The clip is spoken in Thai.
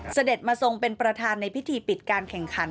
เสด็จมาทรงเป็นประธานในพิธีปิดการแข่งขัน